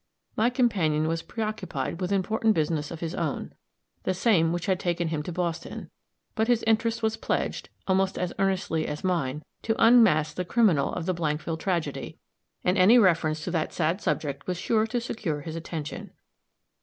My companion was preoccupied with important business of his own the same which had taken him to Boston; but his interest was pledged, almost as earnestly as mine, to unmask the criminal of the Blankville tragedy, and any reference to that sad subject was sure to secure his attention.